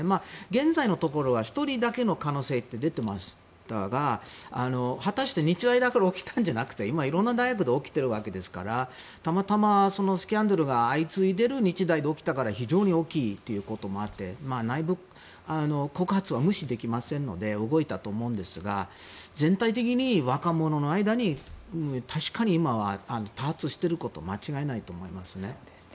現在のところは１人だけの可能性って出ていましたが果たして日大だけで起きたのではなくて今、色んな大学で起きているわけですからたまたま、スキャンダルが相次いでいる日大で起きたから非常に大きいということもあって内部告発は無視できませんので動いたと思うんですが全体的に若者の間に確かに今は多発していることは間違いないと思いますね。